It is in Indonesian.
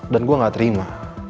dan gue nggak terima